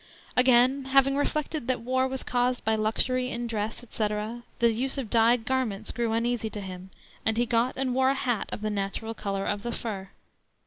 Again, having reflected that war was caused by luxury in dress, etc., the use of dyed garments grew uneasy to him, and he got and wore a hat of the natural color of the fur.